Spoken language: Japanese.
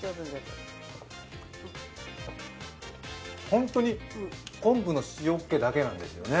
ホントに昆布の塩っけだけなんですよね。